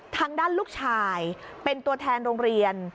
ทางด้านลูกชายเป็นตัวแทนโรงเรียน